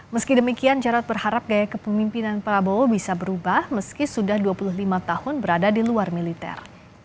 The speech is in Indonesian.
meski demikian jarod berharap gaya kepemimpinan prabowo bisa berubah meski sudah dua puluh lima tahun berada di luar militer